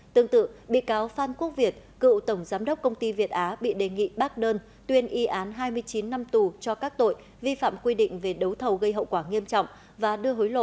tương tự bị cáo phan quốc việt cựu tổng giám đốc công ty việt á bị đề nghị bác đơn tuyên y án hai mươi chín năm tù cho các tội vi phạm quy định về đấu thầu gây hậu quả nghiêm trọng và đưa hối lộ